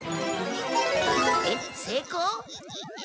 えっ成功？